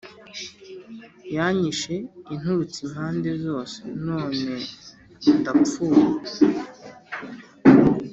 yanyishe inturutse impande zose none ndapfuye,